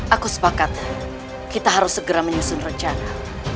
aku sepakat kita harus segera menyusun rencana